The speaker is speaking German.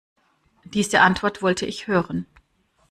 Diese Antwort wollte ich hören.